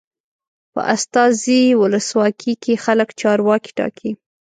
په استازي ولسواکۍ کې خلک چارواکي ټاکي.